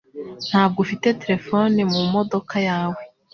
Ntabwo ufite terefone mumodoka yawe?